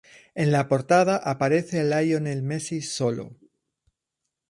En la portada aparece Lionel Messi, solo.